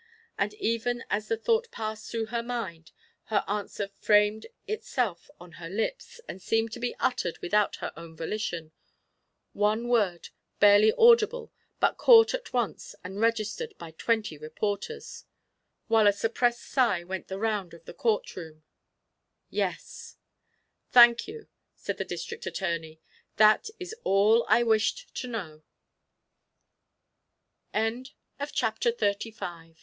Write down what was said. And, even as the thought passed through her mind, her answer framed itself on her lips and seemed to be uttered without her own volition; one word, barely audible, but caught at once and registered by twenty reporters, while a suppressed sigh went the round of the court room. "Yes." "Thank you," said the District Attorney. "That is all I wished to know." Chapter XXXVI There was still cross examination. Mr.